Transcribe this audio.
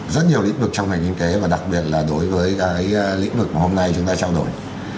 rất nhiều lĩnh vực trong ngành kinh tế và đặc biệt là đối với cái lĩnh vực mà hôm nay chúng ta trao đổi